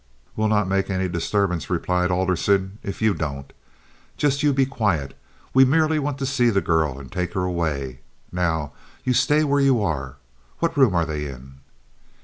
"We'll not make any disturbance," replied Alderson, "if you don't. Just you be quiet. We merely want to see the girl and take her away. Now, you stay where you are. What room are they in?"